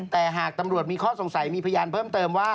แต่หากตำรวจมีข้อสงสัยมีพยานเพิ่มเติมว่า